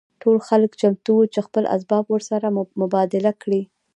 ټول خلک چمتو وو چې خپل اسباب ورسره مبادله کړي